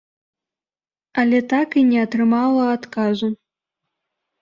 Але так і не атрымала адказу!